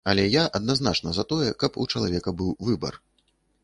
Але я адназначна за тое, каб у чалавека быў выбар.